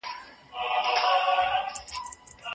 ناحقه ګټه د اور د ټوټې په څېر ده.